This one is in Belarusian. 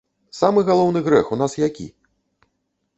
Самы галоўны грэх у нас які?